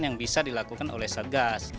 yang bisa dilakukan oleh satgas